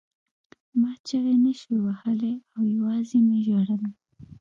ما چیغې نشوې وهلی او یوازې مې ژړل